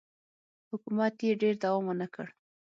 حکومت یې ډېر دوام ونه کړ.